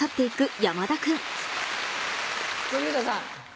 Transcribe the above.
小遊三さん。